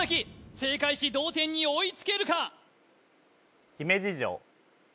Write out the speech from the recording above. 正解し同点に追いつけるか！？